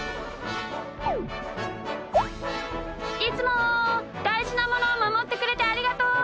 いつもだいじなものをまもってくれてありがとう！